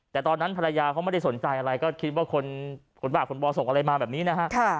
แต่ตอนนั้นภรรยาเขาไม่ได้สนใจอะไรก็คิดว่าคนผลบาดผลบ่อส่งอะไรมาแบบนี้นะฮะ